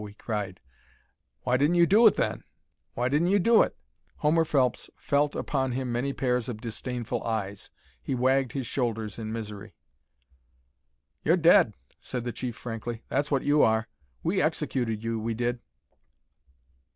he cried, "why didn't you do it, then? Why didn't you do it?" Homer Phelps felt upon him many pairs of disdainful eyes. He wagged his shoulders in misery. "You're dead," said the chief, frankly. "That's what you are. We executed you, we did."